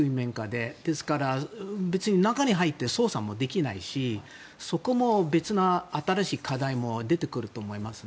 ですから、別に中に入って捜査もできないしそこも別の新しい課題も出てくると思います。